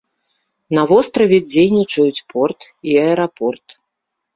На востраве дзейнічаюць порт і аэрапорт.